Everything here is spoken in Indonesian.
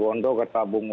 bergantung royong bercancut